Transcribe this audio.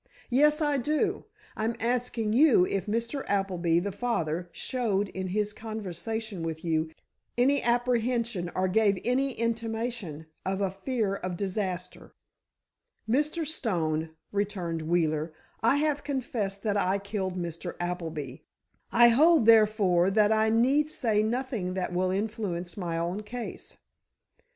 "Yes, I do; I'm asking you if Mr. Appleby, the father, showed in his conversation with you, any apprehension or gave any intimation of a fear of disaster?" "Mr. Stone," returned Wheeler, "I have confessed that I killed Mr. Appleby; I hold, therefore, that I need say nothing that will influence my own case."